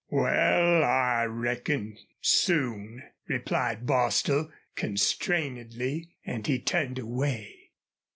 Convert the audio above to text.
"Wal, I reckon soon," replied Bostil, constrainedly, and he turned away.